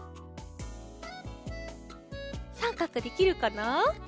さんかくできるかな？